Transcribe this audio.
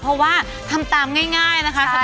เพราะว่าทำตามง่ายฟิตเดตของแม่บ้านประจันบัน